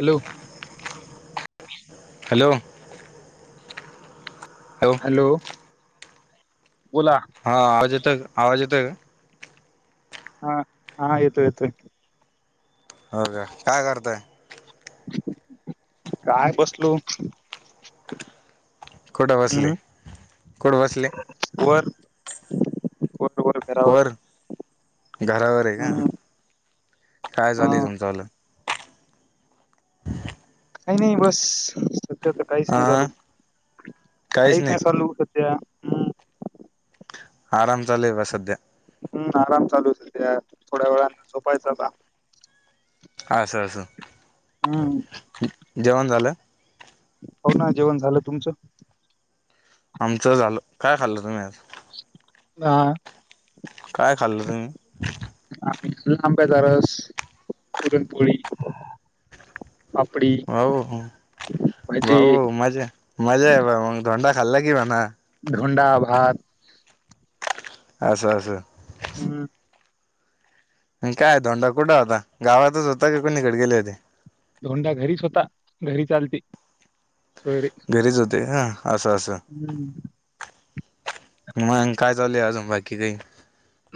Hello. Hello hello. बोला. हा आवाज येतो का आवाज येतो का? हा हा, येतो येतो य. हो का, काय करताय? काय बसलू. कुठं बसले, कुठं बसले? वर [unintelligible] वर. घरावर वर घरावर य का, हम्म काय हा चालू हाय तुमच? [unintelligible] [inaudible] काही नाई बस सध्या तर काहीच नाय हा चालू, काहीच नाय चालू सध्या. हम्म आराम चालुय बा सध्या हम्म आराम चालूय सध्या थोड्या वेळानं झोपायचं आता. आसं असं. हम्म. जेवाण झालं? होव ना जेवण झालं तुमचं? आमचं झाल, काय खाल्लं तुम्ही आज? आ. काय खाल्लं तुम्ही? आंब्याचा रस, पुरणपूळी. बाबो भजे बाबो मज्जा मज्जा आहे मग धोंडा खाल्ला की म्हना. धोंडा भात. आसं असं. हम्म. म्हणजे काय धोंडा कुटा होता? गावातच होता की कोणीकडे गेले होते? धोंडा घरीच होता घरीचं आलते. सोयरे घरीच होते हा असं असं हम्म. मंग काय चालूय अजून बाकी कायी?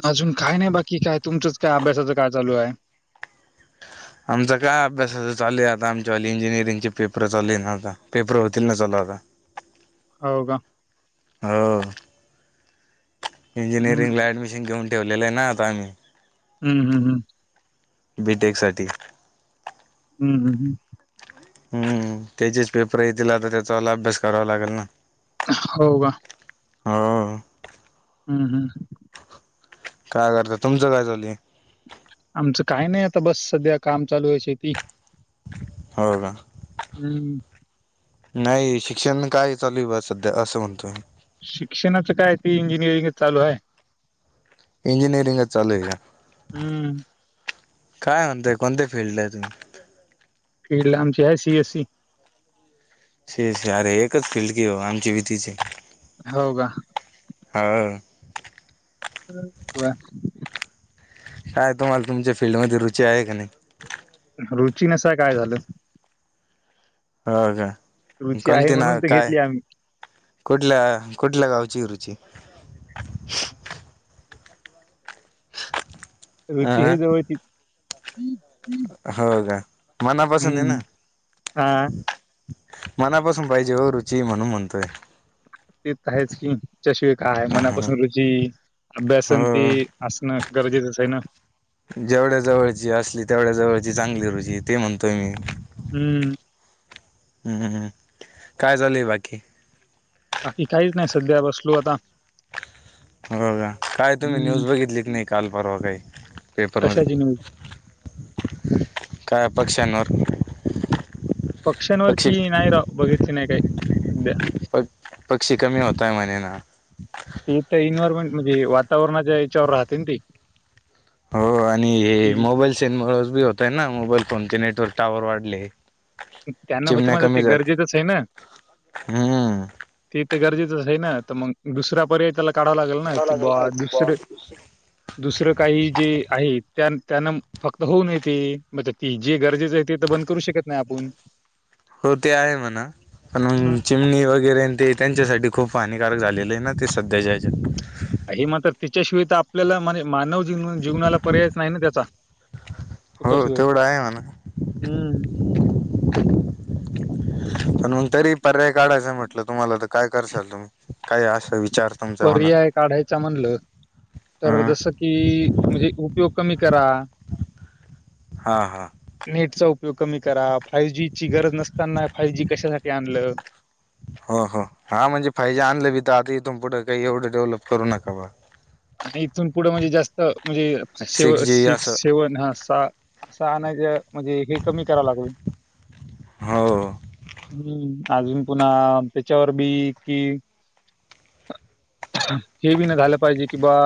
अजून काय नाय बाकी काय तुमचंच काय अभ्यासाचं काय चालू हाय? आमच काय अभ्यासाच चालू आहे आता आमच्यावाली इंजिनिअरिंगचे पेपर चालू हे ना आता पेपर होतील ना चालू आता. हो का. हो. हं, इंजिनिरिंगला ऍडमिशन घेऊन ठेवलेल हे ना आता आम्ही. हम्म हम्म हम्म. बी तेक साठी. हम्म हम्म हम्म. हम्म त्याचेच पेपर येतील आता त्याचा लू अभ्यास करावा लागल ना. होव का. हो. हम्म हम्म. काय करता? तुमचं काय चालू ये? आमचं काय नाय आता बस सध्या काम चालूय शेती हो का. हम्म. नाय शिक्षण काय चालूय बा सध्या असं म्हणतोय. शिक्षणाचं काय ते इंजिनिअरिंग चालू हाय. इंजिनिरिंग चालू हाय का? हं. काय म्हणताय कोणत्या फिल्डला हाय तुम्ही? फिल्डला आमची I C S C. C S C अरे एकच फिल्ड की वो आमची भी तीच ए. हो का? हो. वा. काय, तुम्हाला तुमच्या फील्डमध्ये रुची आहे का नाही? रुची नसाय काय झालं? हो का? रुची आहे म्हणून [unintelligible] तर काय? घेतली आम्ही. कुठल्या कुठल्या गावची ए रुची? रुचि अ हे जवळचीच. हो का? मनापासून ए ना? हां, मनापासून पाहिजे हो रुची म्हणून म्हणतोय. ते त आहेच की. त्याच्या शिवाय काय ए ह ह मनापासून रुची. ची अभ्यासन ते हो असणं गरजेचंच आहे ना? जेवढ्या जवळची असली, तेवढ्या जवळची चांगली रुची ते म्हणतोय मी. हम्म. हम्म. काय चालूय बाकी? बाकी काहीच नाही. सध्या बसलो आता. हो का? काय तुम्ही न्यूज हम्म बघितली की नाही काल परवा काही पेपरमध्ये? कशाची न्यूज काय पक्षांवर? पक्ष्यांवरची नाही राव. बघितली नाही काही सध्या. प पक्षी कमी होताय म्हणे ना. ते तर इनव्हायरमेंट म्हणजे, वातावरणाच्या याच्यावर राहतय ना ते? हो आणि हे की मोबाईल सेनमुळे बी होतय ना? मोबाईल फोनचे नेटवर्क टावर वाढले. त्यांना होतं चिमण्या माझं ते कमी झाल्या. गरजेचंच आहे ना हम्म. ते तर गरजेचंच आहे ना? तर मग दुसरा पर्याय त्याला काढावा लागेल ना? करावं की बा एक दुसर- बॉन्ड. दुसरं काही जे आहे. त्या त्यांन फक्त होऊ नयेते. जे गरजेचं आहे, ते तर बंद करू शकत नाही आपून. हो ते आहे म्हणा. हम्म. पण चिमणी वगैरे ते. त्यांच्यासाठी खूप हानिकारक झालेले आहे ना ते सध्याच्या याच्यात? हे मात्र तिच्याशिवाय त आपल्याला, मानव जीवनाला पर्यायच नाही ना त्याचा? हो तिच्याशिवाय. तेवढं आहे म्हणा हम्म. पण मग तरी पर्याय काढायचं म्हटलं, तुम्हाला तर- काय करशाल तुम्ही? काय असं विचार? तुमच्या मनात पर्याय काढायचा म्हणलं, तर जस- हम्म कि म्हणजे, उपयोग कमी करा. हा हा. नेटचा उपयोग कमी करा. फाय जी ची गरज नसताना फाय जी कशासाठी आणलं? हां. हां. हा म्हणजे फाई जी जे आणलं बी, तर आता इथून पुढे काही एवढं डेव्हलप करू नका, बा. आणि इथून पुढं म्हणजे, जास्त म्हणजेे, जी सिक्स, असं सेवन असा- असं आणायचं म्हणजे, हे कमी करावं लागल. हो. हम्म, अजून पुन्हा त्याच्यावर बी कि- हे बी नाही झालं पाहिजे. किंवा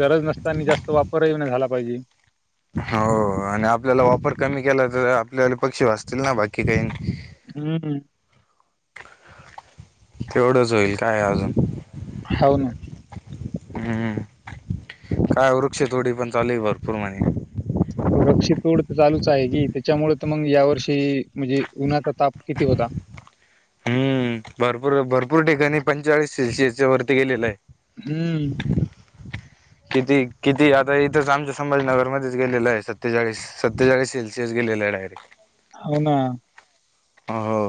गरज नसताना, जास्त वापरही नाही झाला पाहिजे. हो, आणि आपल्याला वापर कमी केला तर, आपल्याले पक्षी वाचतील ना बाकी काही. हम्म, तेवढंच होईल काय अजून. होव न. हम्म, काय वृक्ष तोडी पण चालूये भरपूर म्हणे. वृक्षतोड तर चालूच आहे की, त्याच्यामुळे तर मग या वर्षी म्हणजे, उन्हाचा ताप किती होता. हम्म, भरपूर-भरपूर ठिकाणी पंचाळीस सेल्सिअसच्या वरती गेलेलं आहे. हम्म, किती, किती आता इथंच आमच्या संभाीनगरमध्येच गेलेलं आहे सत्तेचाळीस- सत्तेचाळीस सेल्सिअस गेलेलयं डायरेक्ट. हाव ना. हो,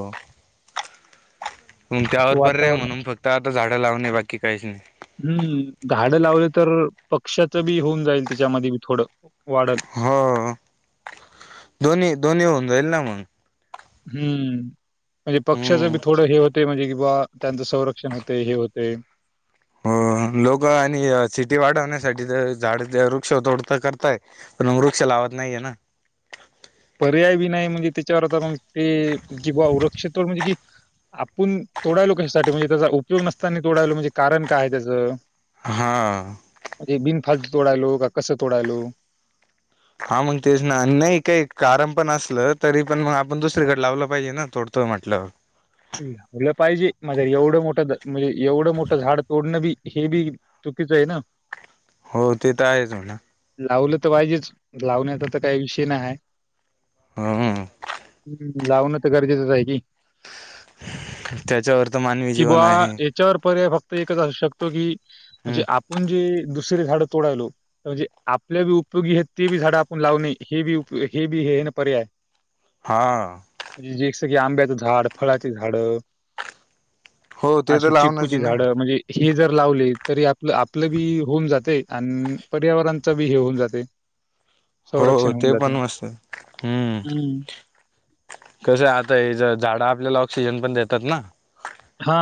अन ते त्यावर पर्याय वातावरण म्हणून फक्त आता झाडं लावणे बाकी काहीच नाही. हम्म, झाडं लावलं तर, पक्ष्याचं बी होऊन जाईल, त्याच्यामध्ये बी थोडं वाढल. हो दोन्ही, दोन्ही होऊन जाईल ना मगं. हम्म म्हणजे पक्षाच बी हम्म थोडं हे होते म्हणजे की बा त्यांचं संरक्षण होतंय, हे होते. हो लोक आणि सिटी वाढवण्यासाठी तर झाड वृक्ष तोडत करताय. पण वृक्ष लावत नाहीये ना. पर्याय बी नाही म्हणजे त्याच्यावर आता मग ते कि बा वृक्षतोड म्हणजे कि आपुण तोडायलो कशासाठी म्हणजे त्याचा उपयोग नसंतानी तोडायलो, म्हणजे कारण काय आहे त्याचं? हां. म्हणजे बिन फालतू तोडायलो का कसं तोडायलो? हा मग तेच ना नाही काही कारण पण असलं, तरी पण मग आपण दुसरीकडे लावलं पाहिजे ना तोडतो म्हटल्यावर. होईला पाहिजे माझ एवढं मोठं म्हणजे एवढं मोठं झाड तोडणं बी हे बी चुकीचं यं ना. हो ते तर आहेच म्हणा. लावलं तर पाहिजेच लावण्याचा तर काही विषय नाही आहे. हम्म हम्म लावणं तर गरजेचंच आहे की. [inaudible] त्याच्यावर त मानवी कि जीवन बा आहे याच्यावर पर्याय फक्त एकच असू शकतो की, हम्म म्हणजे आपण जे दुसरे झााडं तोडायलो? म्हणजे आपल्या बी उपयोगी आहेत, ते बी झाडं आपण लावणे हे बी उप हे बी हे ना पर्याय [inaudible] हा, म्हणजे जेस की आंब्याचं झाड, फळाची झाड हो ते तर अशी लावणच चिककूची आहे ना झाडं म्हणजे हे जर लावले तरी आपलं आपलं बी होऊन जाते, आणि पर्यावरणच बी हे होऊन जाते. हो, हो संरक्षण होऊन ते जाते. पण मस्त हम्म हं. कसं आता हे ज झाडं आपल्याला ऑक्सिजन पण देतात ना. हा,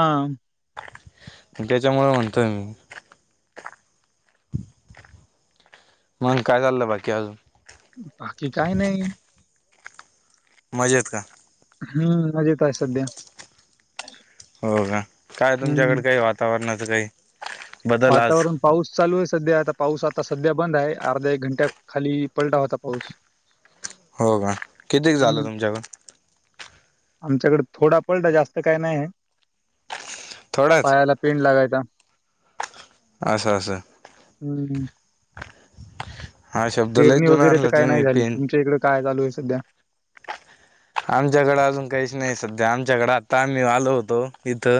म त्याच्यामुळे म्हणतोय मी. मगं काय चाललं बाकी अजून? बाकी काय नाही. मजेत का? हम्म, मजेत आहे सध्या. हो, का. काय हं. तुमच्याकडे, काही वातावरणाचं काही. बदल आज वातावरण. पाऊस चालू आहे सध्या. आता पाऊस आता सध्या बंद आहे. अर्धा, एक घंट्या खाली पडला होता पाऊस. हो, का. किती झालं हम्म तुमच्याकड? आमच्याकडे थोडा पडला जास्त काही नाही, थोडाच पायाला पिंड लागायचा. असं असं. हम्म. हा शब्द लय पेरणी जुना वगैरे तर आणला काय तुम्ही नाही झाली. पेन तुमच्या इकडे काय चालू आहे सध्या? आमच्याकडे अजून काहीच नाही सध्या. आमच्याकडे आता, आम्ही आलो होतो इथं.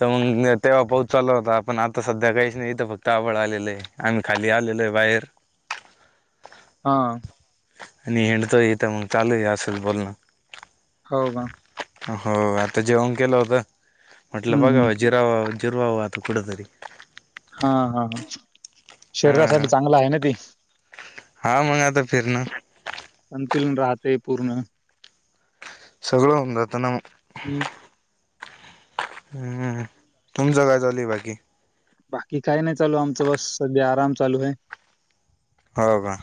तर मग तेव्हा पाऊस चालू होता, पण आता सध्या काहीच नाही इथं. फक्त आभाळ आलेलं आहे. आम्ही खाली आलेलो आहे बाहेर. हा. आणि हिंडतोय इथं, मग चालू आहे असंच बोलणं. हो का. हो, आता जेवण केलं होतं, म्हटलं हम्म हम्म बघाव जिराव जिरवाव आता थोड तरी. हा हा हं, हा शरीरासाठी चांगलं आहे ना ती. हा, मग आता फिर ना संतुलन राहते पूर्ण. सगळ होऊन राहत ना मग. [unintelligible] हम्म, तुमच काय चालूय बाकी? बाकी काही नाही चालू आमचं. बस, सध्या आराम चालू आहे. हो का.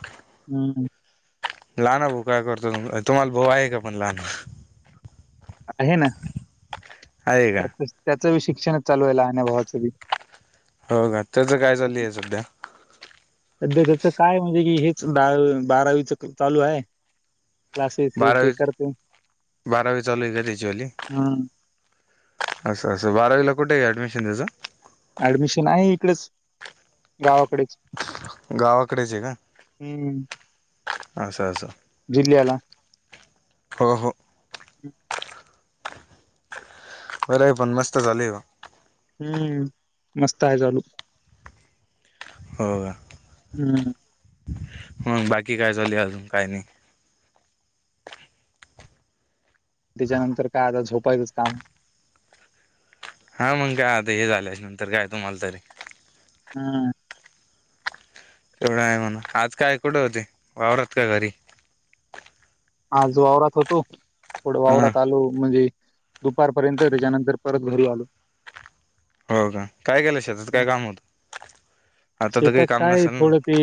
हम्म हम्म. लहान भाऊ काय करतो? तुम्हाला भाऊ आहे का पण लहान? आहे ना. आहे का त्या त्याचं बी शिक्षणच चालू आहे, लहान्या भावाचं बी. हो का. त्याचं काय चालूय सध्या? सध्या त्याच काय म्हणजे की हेच, बारावीच चालू आहे. क्लासेस हे ते बारावी, करते बारावी चालू आहे का? त्याची वाली. हम्म असं असं. बारावीला कुठे आहे ऍडमिशन त्याचं? ऍडमिशन आहे इकडेच, गावाकडेच. गावाकडेच आहे का? हम्म असं असं. जिल्ह्याला. हो हो. ह खरय, पण मस्त चालूय का? हम्म, मस्त आहे चालू. हो का. हम्म. मग बाकी काय चालूय अजून? काय नाही? त्याच्यानंतर काय आता, झोपायचंच काम. हा, मंग काय, आता हे झाल्याच्यानंतर काय तुम्हाला तरी. हम्म. तेवढं आहे म्हणा, आज काय कुठं होते वावरात का घरी? आज वावरात होतो, थोड हा वावरात आलो म्हणजे. दुपारपर्यंत त्याच्यानंतर परत घरी आलो. हो का काय केलं शेतात, हम्म. काय काम होतं? आता तर काही शेतात काम काय हे नसेल ना थोडं ते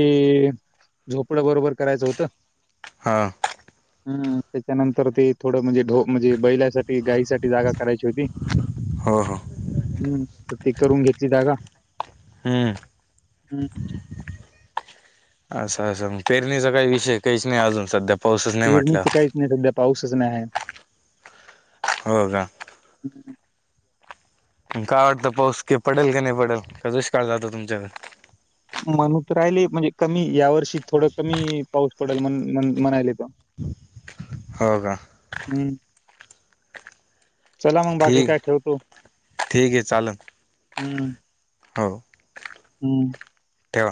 झोपडं बरोबर करायचं होतं. हां! हं त्याच्यानंतर ते थोडं म्हणजे ढो म्हणजे बैलासाठी, गाईसाठी जागा करायची होती. हो हो हूं त ती करून घेतली जागा. हं! हं! असं, असं मं पेरणीचा काही विषय, काहीच नाही अजून सध्या. पाऊसच नाही म्हटलं पेरणीच काहीच नाही सध्या, पाऊसच नाही आहे. होरा! आहे अन काय वाटतं पाऊस की पडल की नाही पडल, का दुष्काळ जातो तुमच्याव म्हणूत राहिले म्हणजे कमी या वर्षी थोडं कमी पाऊस पडेल म्हन-म्हण म्हणायले त. [inaudible] हो का! हूं! चला मंग बाकी ठीक काय, ठेवतो ठीक आहे चालेल हूं. हो! हूं! ठेवा